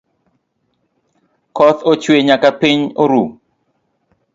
Koth ochwe nyaka piny oru